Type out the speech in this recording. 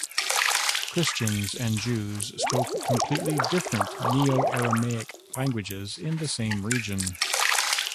Christians and Jews spoke completely different Neo-Aramaic languages in the same region.